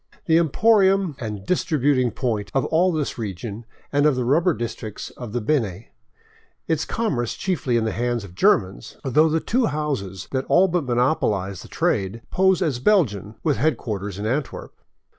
The emporium and dis tributing point of all this region and of the rubber districts of the Beni, its commerce is chiefly in the hands of Germans, though the two houses that all but monopolize the trade pose as Belgian, with headquarters in Antwerp.